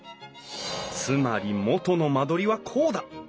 つまり元の間取りはこうだ。